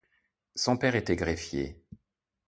Son père était greffier.